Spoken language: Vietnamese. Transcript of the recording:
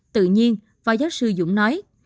tự nhiên phó giáo sư dũng nói